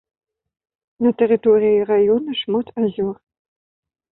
На тэрыторыі раёна шмат азёр.